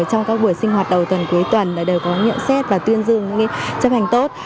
trong các buổi sinh hoạt đầu tuần cuối tuần đều có nhận xét và tuyên dương chấp hành tốt